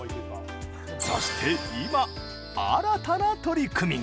そして今、新たな取り組みが。